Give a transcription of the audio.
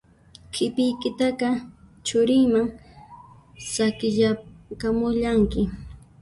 Q'ipiykitaqa churiyman saqiyakamullanki